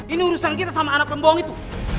ini urusan kita sama anak pembohong itu